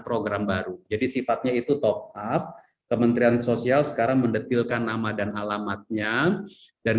program baru jadi sifatnya itu top up kementerian sosial sekarang mendetilkan nama dan alamatnya dan